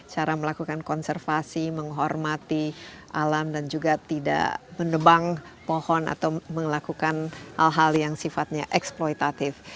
cara melakukan konservasi menghormati alam dan juga tidak menebang pohon atau melakukan hal hal yang sifatnya eksploitatif